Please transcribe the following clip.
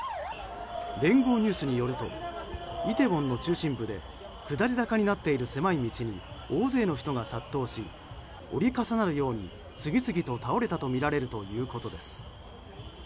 聯合ニュースによるとイテウォンの中心部で下り坂になっている狭い道に大勢の人が殺到し折り重なるように次々と倒れたとみられるということです。